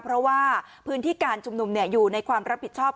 เพราะว่าพื้นที่การชุมนุมอยู่ในความรับผิดชอบ